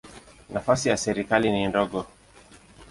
Nafasi ya serikali ni ndogo.